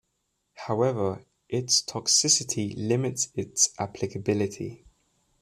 However, its toxicity limits its applicability.